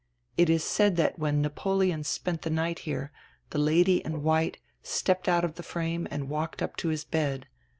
It is said diat when Napoleon spent die night here the 'Lady in white' stepped out of die frame and walked up to his bed.